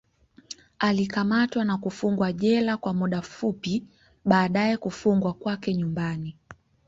Alikamatwa na kufungwa jela kwa muda fupi, baadaye kufungwa kwake nyumbani.